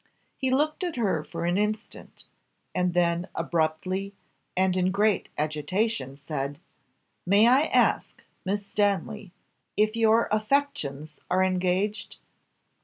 He looked at her for an instant, and then abruptly, and in great agitation, said; "May I ask, Miss Stanley, if your affections are engaged?"